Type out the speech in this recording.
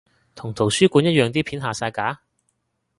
同圖書館一樣啲片下晒架？